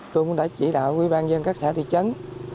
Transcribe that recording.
tôi cũng đã chỉ đạo quỹ ban dân các xã thị trấn